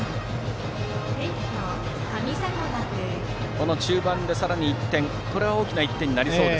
この中盤でさらに１点だと大きな１点になりそうです。